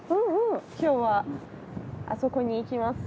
今日はあそこに行きます。